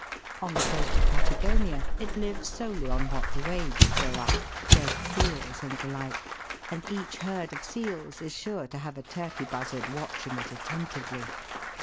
On the coast of Patagonia it lives solely on what the waves throw up, dead seals and the like, and each herd of seals is sure to have a Turkey buzzard watching it attentively.